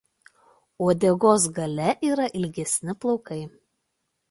Uodegos gale yra ilgesni plaukai.